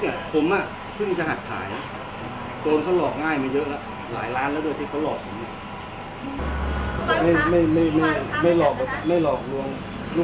คือเมื่อวานเลยอ่ะพระเจ้าสมมุติก็ว่าทั้งคน